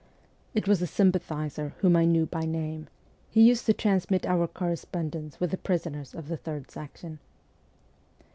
It was a sympathizer, whom I knew by name ; he used to transmit our correspondence with the prisoners of the Third Section.